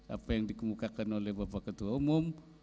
apa yang dikemukakan oleh bapak ketua umum